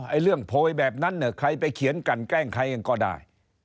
ไอ้เรื่องโพยแบบนั้นเนี่ยใครไปเขียนกันแกล้งใครเองก็ได้